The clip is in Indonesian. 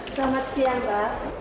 selamat siang pak